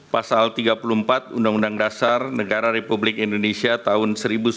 pasal tiga puluh empat undang undang dasar negara republik indonesia tahun seribu sembilan ratus empat puluh lima